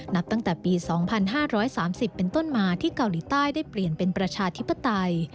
นับตั้งแต่ปี๒๕๓๐เป็นต้นมาที่เกาหลีใต้ได้เปลี่ยนเป็นประชาธิปไตย